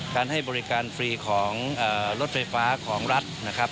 การให้บริการฟรีของรถไฟฟ้าของรัฐ